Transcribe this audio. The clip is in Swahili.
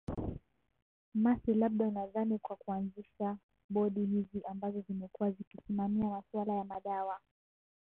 mercy labda unadhani kwa kuanzisha bodi hizi ambazo zimekuwa zikisimamia masuala ya madawa